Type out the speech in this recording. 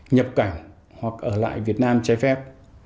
nhập cảnh hoặc ở lại việt nam trái phép